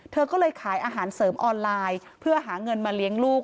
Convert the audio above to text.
เธอก็เลยขายอาหารเสริมออนไลน์เพื่อหาเงินมาเลี้ยงลูก